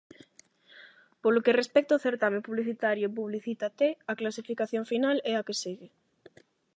Polo que respecta ao certame publicitario Publicita-t, a clasificación final é a que segue: